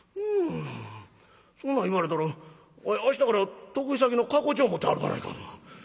そんなん言われたらわい明日から得意先の過去帳持って歩かないかん。